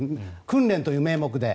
訓練という名目で。